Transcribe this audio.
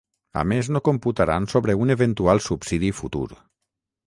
A més, no computaran sobre un eventual subsidi futur.